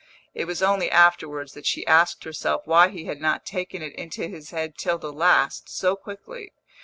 It was only afterwards that she asked herself why he had not taken it into his head till the last, so quickly.